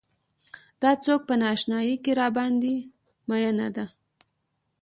دا څوک په نا اشنايۍ کې راباندې مينه ده.